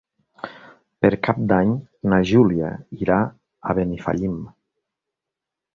Per Cap d'Any na Júlia irà a Benifallim.